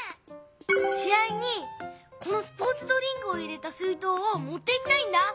し合にこのスポーツドリンクを入れた水とうをもっていきたいんだ。